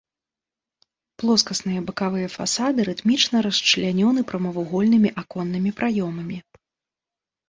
Плоскасныя бакавыя фасады рытмічна расчлянёны прамавугольнымі аконнымі праёмамі.